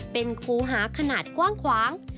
เป็นคูหาขนาดกว้าง